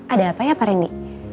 ada apa ya pak randy